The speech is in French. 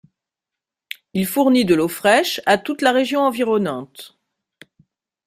Il fournit de l'eau fraîche à toute la région environnante.